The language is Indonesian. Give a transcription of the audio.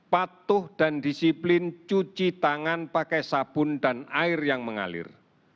patuh dan disiplin cuci tangan pakai sabun dan air yang mengalir